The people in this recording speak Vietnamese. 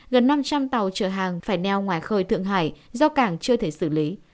gần năm trăm linh tàu chở hàng phải neo ngoài khơi thượng hải do cảng chưa thể xử lý